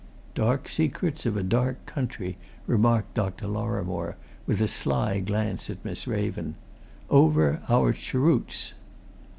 "Dark secrets of a dark country!" remarked Dr. Lorrimore, with a sly glance at Miss Raven. "Over our cheroots!"